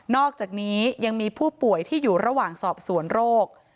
อกจากนี้ยังมีผู้ป่วยที่อยู่ระหว่างสอบสวนโรค